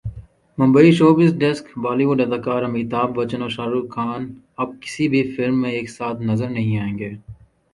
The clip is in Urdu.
ممبئی شوبزڈیسک بالی وڈ اداکار امیتابھ بچن اور شاہ رخ خان اب کسی بھی فلم میں ایک ساتھ نظر نہیں آئیں گے